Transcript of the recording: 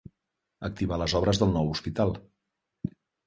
Activar les obres del nou hospital.